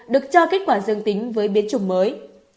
được cho kết quả dương tính với biến chủng mới